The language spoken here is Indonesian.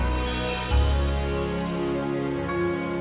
pake garam apa lagi